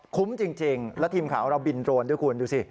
จริงแล้วทีมข่าวเราบินโรนด้วยคุณดูสิ